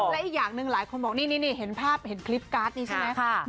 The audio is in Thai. และอีกอย่างหนึ่งหลายคนบอกนี่เห็นภาพเห็นคลิปการ์ดนี้ใช่ไหม